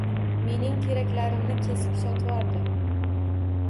Mening teraklarimni kesib sotvordi.